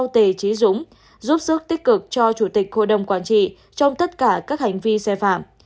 tề trí dũng giúp sức tích cực cho chủ tịch hội đồng quản trị trong tất cả các hành vi sai phạm